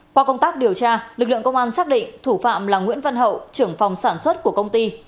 qua công tác điều tra lực lượng công an xác định thủ phạm là nguyễn văn hậu trưởng phòng sản xuất của công ty